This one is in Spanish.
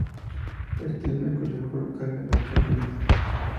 Estudió en el colegio local de las Carmelitas.